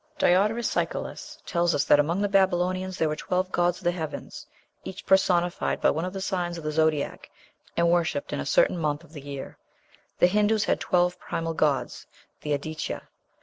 Diodorus Siculus tells us that among the Babylonians there were twelve gods of the heavens, each personified by one of the signs of the zodiac, and worshipped in a certain month of the year. The Hindoos had twelve primal gods, "the Aditya."